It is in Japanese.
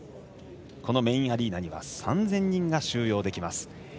このメインアリーナには３０００人が収容できます。